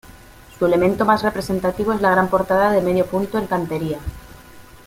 Su elemento más representativo es la gran portada de medio punto en cantería.